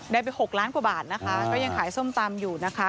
ได้ไป๖ล้านกว่าบาทนะคะก็ยังขายส้มตำอยู่นะคะ